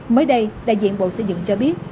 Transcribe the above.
mới đây đại diện bộ xây dựng cho biết